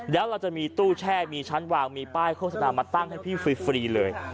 แล้วเราจะมีตู้แช่มีชั้นวางมีป้ายโฆษณามาตั้งให้พี่ฟรีเลย